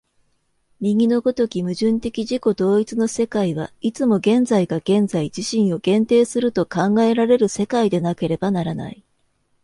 右の如き矛盾的自己同一の世界は、いつも現在が現在自身を限定すると考えられる世界でなければならない。